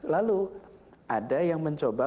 lalu ada yang mencoba